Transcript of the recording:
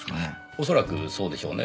おそらくそうでしょうね。